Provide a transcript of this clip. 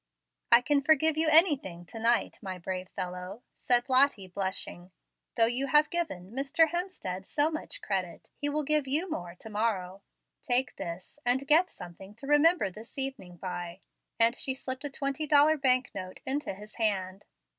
"I can forgive you anything to night, my brave fellow," said Lottie, blushing. "Though you have given Mr. Hemstead so much credit, he will give you more to morrow. Take this and get something to remember this evening by"; and she slipped a twenty dollar bank note into his hand.